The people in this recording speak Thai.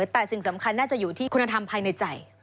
แต่สิ่งสำคัญน่าจะอยู่ที่คุณธรรมภายในใจ